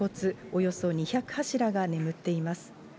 およそ２００柱が眠っています。